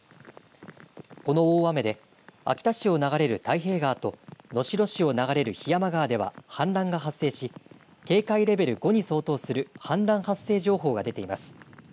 この大雨で秋田市を流れる太平川と能代市を流れる檜山川では氾濫が発生し警戒レベル５に相当する氾濫発生情報が出ています。